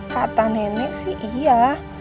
kata nenek sih iya